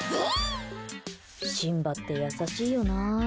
シンバって優しいよな。